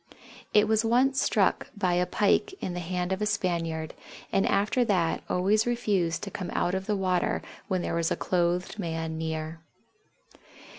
It was once struck by a pike in the hand of a Spaniard and after that always refused to come out of the water when there was a clothed man near.